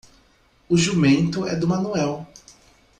O jumento é do Manuel.